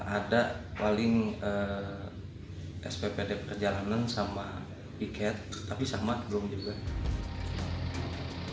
ada paling sppd perjalanan sama piket tapi sama belum juga